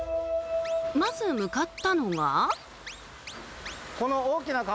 まず向かったのが。